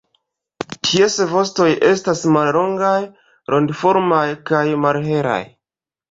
Ties vostoj estas mallongaj, rondoformaj kaj malhelaj.